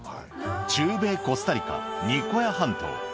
中米コスタリカ・ニコヤ半島。